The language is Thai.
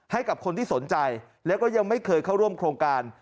ให้กับคนที่สนใจแล้วก็ยังไม่เคยเข้าร่วมโครงการ